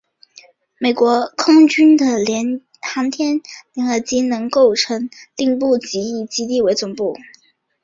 美国空军的航天联合机能构成司令部即以此基地为总部。